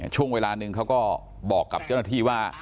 ช่วงเวลานึงเขาก็บอกกับเจ้าหน้าที่ว่า